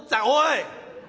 「おい！